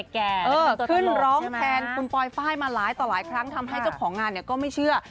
ขึ้นร้องแทนคุณปลอยไฟล์มาหลายต่อหลายครั้งทำให้เจ้าของงานก็ไม่เชื่อ